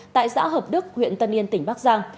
tại xã hợp đức huyện tân yên tỉnh bắc giang